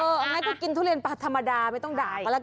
อันนั้นก็กินทุเรียนปลาธรรมดาไม่ต้องได้